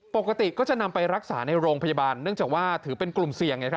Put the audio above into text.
ปกติก็จะนำไปรักษาในโรงพยาบาลเนื่องจากว่าถือเป็นกลุ่มเสี่ยง